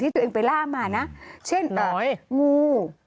ตัวเองไปล่ามานะเช่นงู